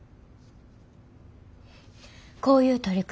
こういう取り組み